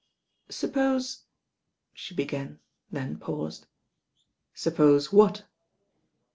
•'Suppose ^" she began, then paused. •'Suppose what?"